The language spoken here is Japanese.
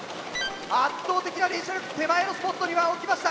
圧倒的な連射力手前のスポットには置きました。